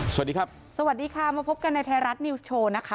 สวัสดีครับสวัสดีค่ะมาพบกันในไทยรัฐนิวส์โชว์นะคะ